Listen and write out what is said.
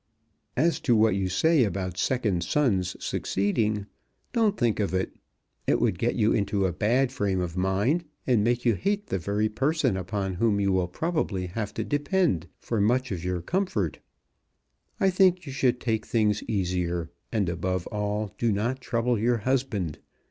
As to what you say about second sons succeeding, don't think of it. It would get you into a bad frame of mind, and make you hate the very person upon whom you will probably have to depend for much of your comfort. I think you should take things easier, and, above all, do not trouble your husband.